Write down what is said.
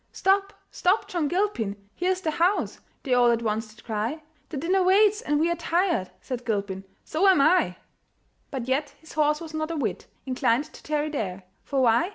"Stop, stop, John Gilpin! Here's the house!" They all at once did cry; "The dinner waits, and we are tired;" Said Gilpin "So am I!" But yet his horse was not a whit Inclined to tarry there; For why?